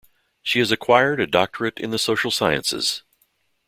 She has acquired a doctorate in the social sciences.